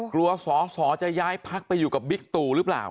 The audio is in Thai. สอสอจะย้ายพักไปอยู่กับบิ๊กตู่หรือเปล่า